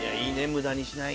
無駄にしない。